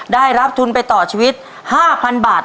ได้รับทุนไปต่อชีวิต๕๐๐๐บาท